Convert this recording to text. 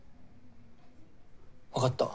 分かった。